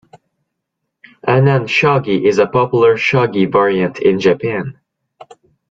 Annan shogi is a popular shogi variant in Japan.